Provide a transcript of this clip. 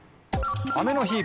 「雨の日」。